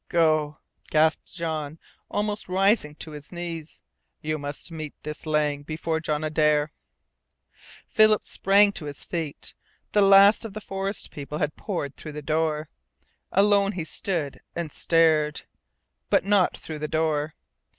"Go!" gasped Jean, almost rising to his knees. "You must meet this Lang before John Adare!" Philip sprang to his feet. The last of the forest people had poured through the door. Alone he stood and stared. But not through the door!